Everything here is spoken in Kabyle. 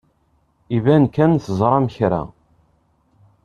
Iban kan teẓram kra.